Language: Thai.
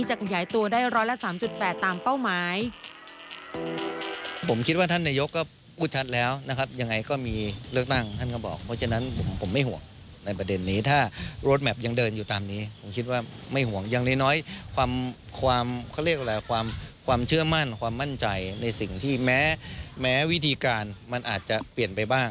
จะขยายตัวได้๑๐๓๘ตามเป้าหมาย